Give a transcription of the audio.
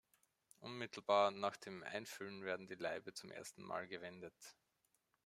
Unmittelbar nach dem Einfüllen werden die Laibe zum ersten Mal gewendet.